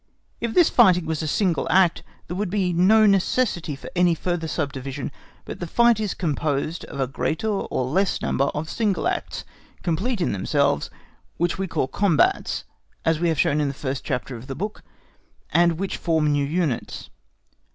If this fighting was a single act, there would be no necessity for any further subdivision, but the fight is composed of a greater or less number of single acts, complete in themselves, which we call combats, as we have shown in the first chapter of the first book, and which form new units.